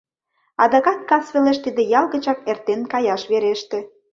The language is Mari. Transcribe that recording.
Адакат кас велеш тиде ял гычак эртен каяш вереште.